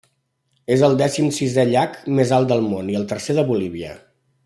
És el dècim sisè llac més alt del món, i el tercer de Bolívia.